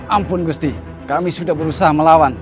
ampun gusti kami sudah berusaha melawan